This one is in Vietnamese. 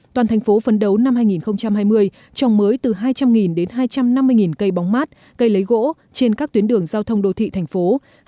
toàn thành phố phấn đấu năm hai nghìn hai mươi trồng mới từ hai trăm linh đến hai trăm năm mươi cây bóng mát cây lấy gỗ trên các tuyến đường giao thông đô thị thành phố